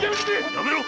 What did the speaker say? やめろ！